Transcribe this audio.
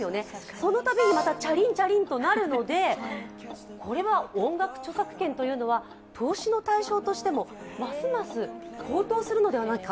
そのたびにまたチャリンチャリンとなるので音楽著作権というのは投資の対象としてもますます高騰するのではないか。